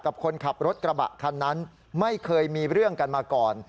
กับคนขับรถกระบะคันนั้นไม่เคยมีเรื่องกันมาก่อน